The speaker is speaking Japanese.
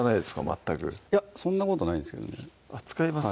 全くいやそんなことないんですけどね使います？